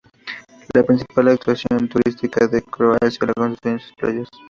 La principal atracción turística de Croacia la constituyen sus playas.